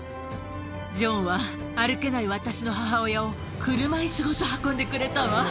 ジョンは、歩けない私の母親を、車いすごと運んでくれたわ。